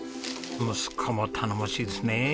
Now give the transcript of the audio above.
息子も頼もしいですね！